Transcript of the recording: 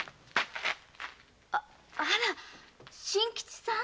あら真吉さん？